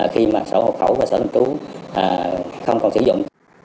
khi mà sổ hộ khẩu và sổ thường trú không còn sử dụng